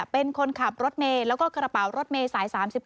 เป็นคนขับรถเมย์แล้วก็กระเป๋ารถเมย์สาย๓๗